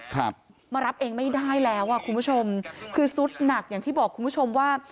ครับมารับเองไม่ได้แล้วอ่ะคุณผู้ชมคือสุดหนักอย่างที่บอกคุณผู้ชมว่า